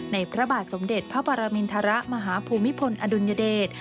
ในพระบาดสมเด็จพระปรามินทระมหาภูมิพลอดุญเดช